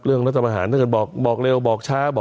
เรื่องรัฐบาหารถ้าเกิดบอกเร็วบอกช้า